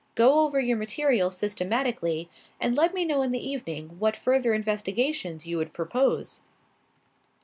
Go over your material systematically, and let me know in the evening what further investigations you would propose."